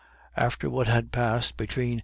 After what had passed between M.